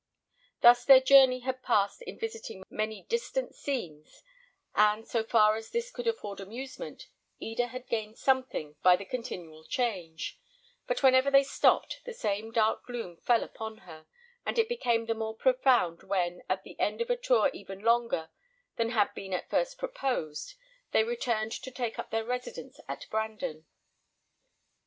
Thus their journey had passed in visiting many distant scenes, and so far as this could afford amusement, Eda had gained something by the continual change; but whenever they stopped, the same dark gloom fell upon her, and it became the more profound when, at the end of a tour even longer than had been at first proposed, they returned to take up their residence at Brandon.